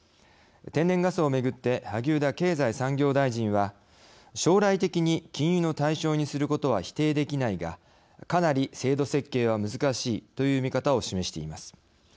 天然ガスをめぐって萩生田経済産業大臣は将来的に禁輸の対象にすることは否定できないがかなり、制度設計は難しいという見方を示しています。